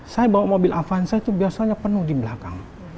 saya bawa mobil avanza itu biasanya penuh di belakang